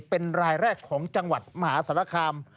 เป็นรายแรกของจังหวัดมหาสารคาม